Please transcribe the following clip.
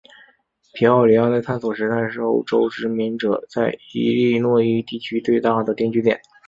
皮奥里亚在探索时代是欧洲殖民者在伊利诺伊地区最大的定居点。